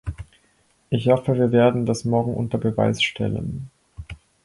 Ich hoffe, wir werden das morgen unter Beweis stellen.